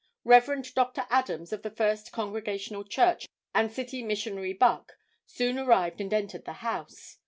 Rev. Dr. Adams of the First Congregational Church and City Missionary Buck soon arrived and entered the house.